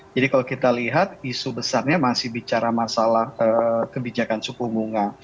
jadi kalau kita lihat isu besarnya masih bicara masalah kebijakan suku bunga